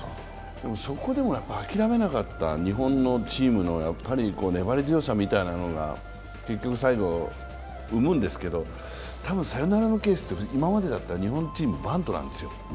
そこでも諦めなかった日本のチームの粘り強さみたいなものが結局、最後生むんですけど、たぶんサヨナラのケースって今までだったら日本チーム、バントなんですよ。